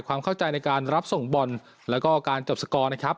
ความเข้าใจในการรับส่งบอลแล้วก็การจบสกอร์นะครับ